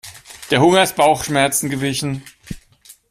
Der Hunger ist Bauchschmerzen gewichen.